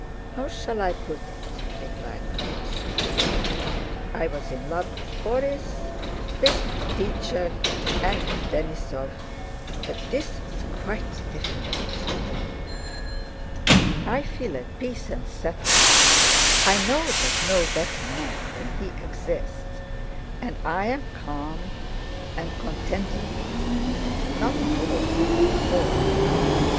"How shall I put it?" replied Natásha. "I was in love with Borís, with my teacher, and with Denísov, but this is quite different. I feel at peace and settled. I know that no better man than he exists, and I am calm and contented now. Not at all as before."